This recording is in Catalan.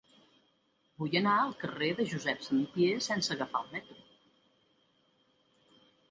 Vull anar al carrer de Josep Samitier sense agafar el metro.